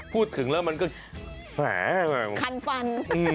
พูดถึงแล้วมันก็แหมคันฟัน